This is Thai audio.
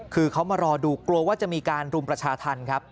คือเขามารอดูกลัวว่าจะมีการรุมประชาธรรมครับ